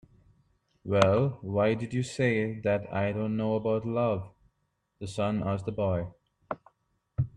"Well, why did you say that I don't know about love?" the sun asked the boy.